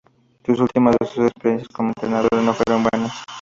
Sus últimas dos experiencias como entrenador no fueron buenas.